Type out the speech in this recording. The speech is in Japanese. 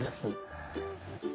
へえ。